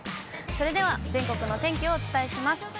それでは全国のお天気をお伝えします。